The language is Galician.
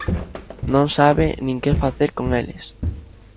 Non sabe nin que facer con eles.